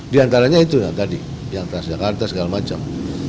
di antaranya itu ya tadi yang transjakarta segala macam